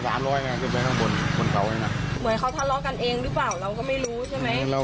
ปกติของเขานะบางทีก็เมามันก็ทะเลาะกันเราก็ไม่รู้